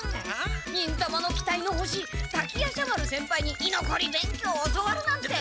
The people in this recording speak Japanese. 忍たまの期待の星滝夜叉丸先輩にいのこり勉強を教わるなんて。